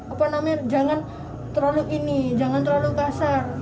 apa namanya jangan terlalu ini jangan terlalu kasar